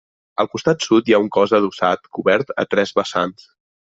Al costat sud hi ha un cos adossat cobert a tres vessants.